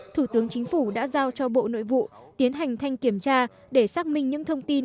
thủ tướng chính phủ đã giao cho bộ nội vụ tiến hành thanh kiểm tra để xác minh những thông tin